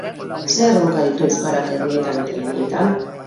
Zer erronka ditu euskarak herrietan eta hirietan?